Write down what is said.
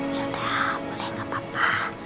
yaudah boleh gak papa